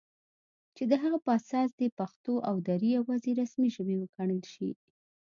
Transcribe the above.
چې د هغه په اساس دې پښتو او دري یواځې رسمي ژبې وګڼل شي